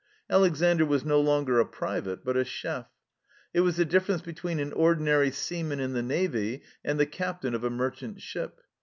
Alexandre was no longer a private, but a chef ! It was the difference between an ordinary seaman in the Navy and the captain of a merchant ship.